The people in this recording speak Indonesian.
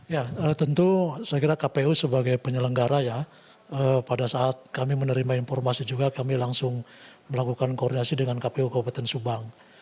ya tentu saya kira kpu sebagai penyelenggara ya pada saat kami menerima informasi juga kami langsung melakukan koordinasi dengan kpu kabupaten subang